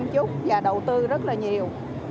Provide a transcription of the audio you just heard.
chăm chúc và đầu tư rất là nhiều